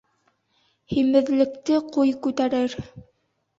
Һимеҙлекте ҡуй күтәрер